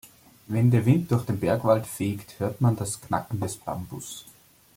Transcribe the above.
Wenn der Wind durch den Bergwald fegt, hört man das Knacken eines Bambus.